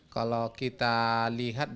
kalau kita lihat dari